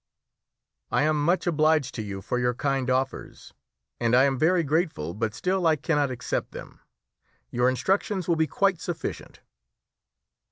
"I am much obliged to you for your kind offers, and I am very grateful, but still I cannot accept them. Your instructions will be quite sufficient."